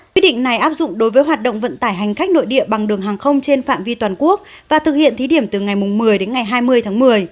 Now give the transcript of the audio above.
quyết định này áp dụng đối với hoạt động vận tải hành khách nội địa bằng đường hàng không trên phạm vi toàn quốc và thực hiện thí điểm từ ngày một mươi đến ngày hai mươi tháng một mươi